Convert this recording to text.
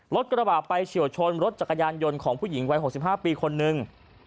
กระบาดไปเฉียวชนรถจักรยานยนต์ของผู้หญิงวัย๖๕ปีคนนึง